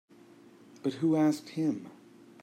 But who asked him?